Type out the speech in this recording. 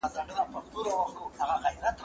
کېدای سي ونه وچه سي؟!